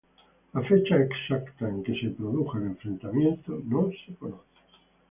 La fecha exacta en que se produjo el enfrentamiento no se conoce.